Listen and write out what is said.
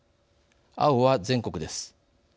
青は全国です。